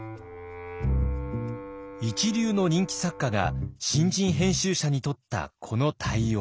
一流の人気作家が新人編集者にとったこの対応。